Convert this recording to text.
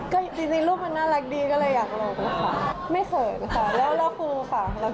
ก็ถ้าไม่ได้หมดเพลงก็ไม่อยากลงรูปด้วยว่าไง